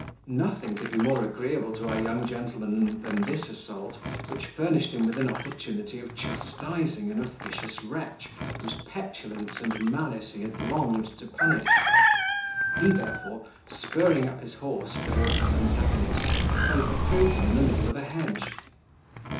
Nothing could be more agreeable to our young gentleman than this assault, which furnished him with an opportunity of chastising an officious wretch, whose petulance and malice he had longed to punish. He therefore, spurring up his horse towards his antagonist, overthrew him in the middle of a hedge.